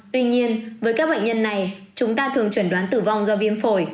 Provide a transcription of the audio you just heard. tuy nhiên với các bệnh nhân này chúng ta thường chuẩn đoán tử vong do viêm phổi